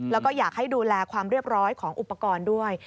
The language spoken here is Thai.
แล้วก็อยากให้ดูแลความเรียบร้อยของอุปกรณ์ด้วย